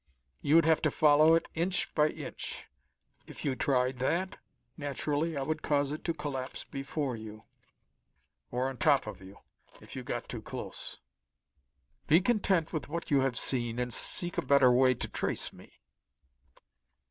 You would have to follow it inch by inch. If you tried that, naturally I would cause it to collapse before you, or on top of you, if you got too close. Be content with what you have seen and seek a better way to trace me."